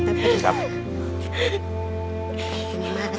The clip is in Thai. ขอบคุณมากค่ะ